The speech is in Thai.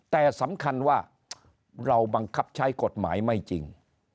แต่สำคัญว่าเราบังคับใช้กฎหมายไม่จริง